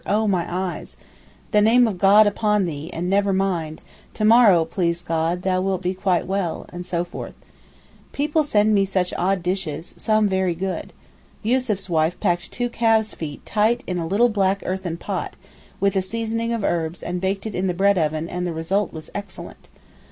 Oh my eyes! The name of God be upon thee, and never mind! to morrow please God, thou wilt be quite well,' and so forth. People send me such odd dishes, some very good. Yussuf's wife packed two calves' feet tight in a little black earthern pan, with a seasoning of herbs, and baked it in the bread oven, and the result was excellent.